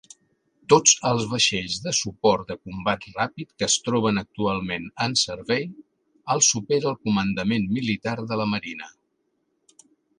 Tots els vaixells de suport de combat ràpid que es troben actualment en servei els opera el Comandament Militar de la Marina.